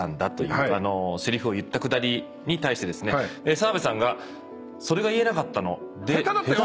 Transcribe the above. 澤部さんが「それが言えなかったの？」